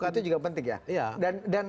ya dan itu juga penting ya